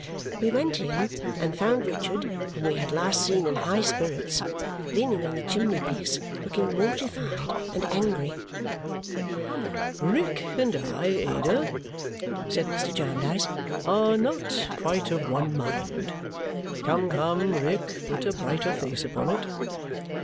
We went in and found Richard, whom we had last seen in high spirits, leaning on the chimney piece looking mortified and angry. "Rick and I, Ada," said Mr. Jarndyce, "are not quite of one mind. Come, come, Rick, put a brighter face upon it!"